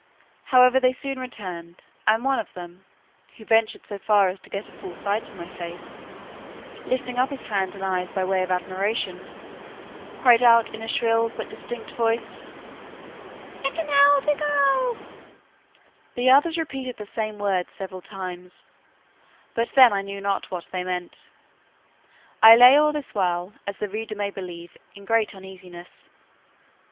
However, they soon returned, and one of them, who ventured so far as to get a full sight of my face, lifting up his hands and eyes by way of admiration, cried out in a shrill but distinct voice, Hekinah degul: the others repeated the same words several times, but then I knew not what they meant. I lay all this while, as the reader may believe, in great uneasiness.